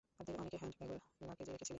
তাদের অনেকে হ্যান্ড ব্যাগও লাগেজে রেখেছিলেন।